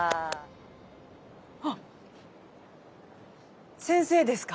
あっ先生ですか？